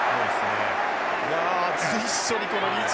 いや随所にリーチ